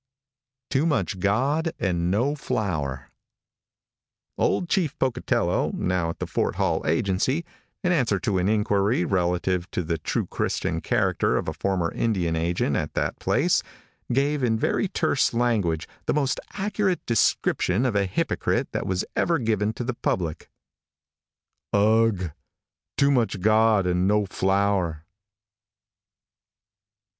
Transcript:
TOO MUCH GOD AND NO FLOUR. |OLD CHIEF POCOTELLO, now at the Fort Hall agency, in answer to an inquiry relative to the true Christian character of a former Indian agent at that place, gave in very terse language the most accurate description of a hypocrite that was ever given to the public. "Ugh! Too much God and no flour."